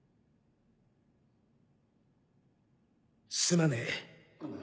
すまねえ。